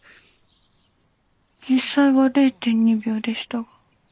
実際は０．２秒でしたが。